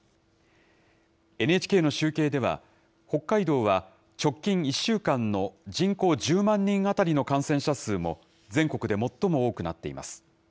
ＮＨＫの集計では、北海道は直近１週間の人口１０万人当たりの感染者数も、全国で最も多くなっています。